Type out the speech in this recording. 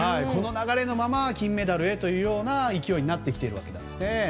この流れのまま金メダルへという勢いになってきているわけなんですね。